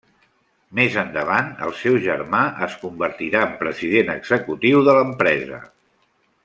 Més endavant el seu germà es convertirà en president executiu de l'empresa.